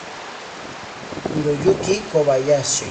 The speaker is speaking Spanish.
Hiroyuki Kobayashi